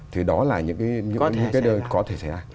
thì đó là những cái đơn có thể xảy ra